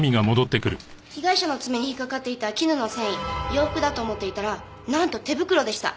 被害者の爪に引っかかっていた絹の繊維洋服だと思っていたらなんと手袋でした。